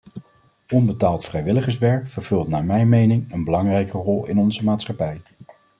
Onbetaald vrijwilligerswerk vervult naar mijn mening een belangrijke rol in onze maatschappij.